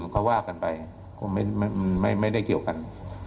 ก็ว่ากันไปคงไม่ได้เกี่ยวกัน